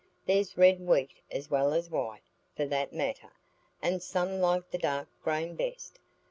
There's red wheat as well as white, for that matter, and some like the dark grain best.